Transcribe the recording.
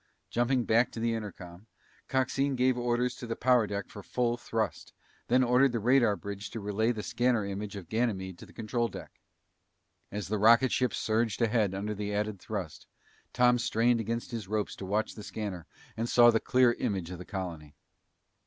Jumping back to the intercom, Coxine gave orders to the power deck for full thrust, then ordered the radar bridge to relay the scanner image of Ganymede to the control deck. As the rocket ship surged ahead under the added thrust, Tom strained against his ropes to watch the scanner and saw the clear image of the colony.